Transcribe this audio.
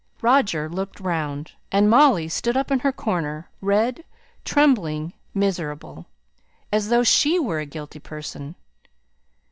Roger looked round, and Molly stood up in her corner, red, trembling, miserable, as though she were a guilty person.